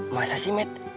masa sih med